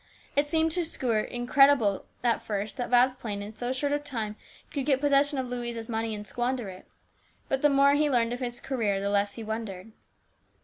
It seemed to Stuart incredible at first that Vasplaine in so short a time could get possession of Louise's money and squander it. But the more he learned of his career the less he wondered.